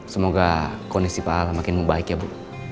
semoga kondisi pak a makin membaik ya bu